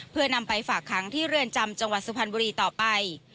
เพื่อนำไปฝากขังที่เรือนจำจังหวัดสุพรรณบุรีต่อไป